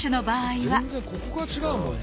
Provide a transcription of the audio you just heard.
「全然ここが違うもんね」